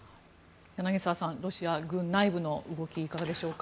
柳澤さんロシア軍内部の動きいかがでしょうか。